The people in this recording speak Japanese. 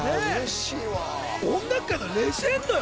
音楽界のレジェンドよ。